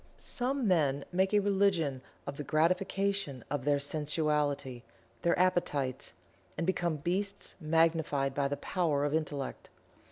Some men make a religion of the gratification of their sensuality their appetites and become beasts magnified by the power of Intellect.